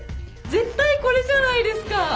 絶対これじゃないですか！